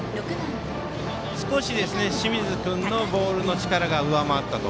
少し清水君のボールの力が上回ったと。